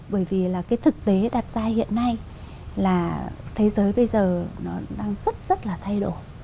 bởi vì là cái thực tế đặt ra hiện nay là thế giới bây giờ nó đang rất rất là thay đổi